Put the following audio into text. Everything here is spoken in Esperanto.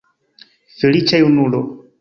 Feliĉa junulo!